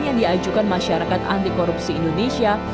yang diajukan masyarakat anti korupsi indonesia